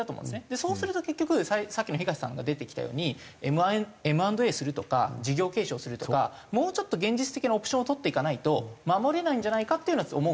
そうすると結局さっきの東さんから出てきたようにＭ＆Ａするとか事業継承するとかもうちょっと現実的なオプションを取っていかないと守れないんじゃないかっていうのは思うんですよね。